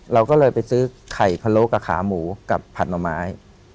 เราก็เลยไปซื้อไข่พะโล้กับขาหมูกับผัดหน่อไม้